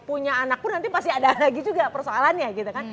punya anak pun nanti pasti ada lagi juga persoalannya gitu kan